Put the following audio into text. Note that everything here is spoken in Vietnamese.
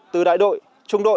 từ đại đội trung đội